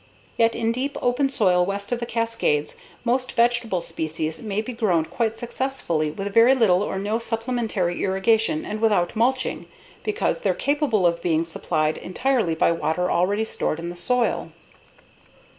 Yet in deep, open soil west of the Cascades, most vegetable species may be grown quite successfully with very little or no supplementary irrigation and without mulching, because they're capable of being supplied entirely by water already stored in the soil.